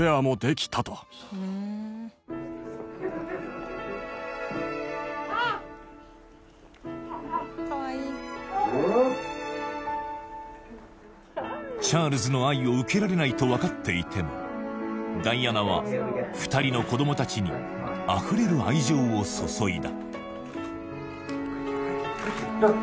冷たくなっていったという一体なぜなのかチャールズの愛を受けられないと分かっていてもダイアナは２人の子どもたちにあふれる愛情を注いだ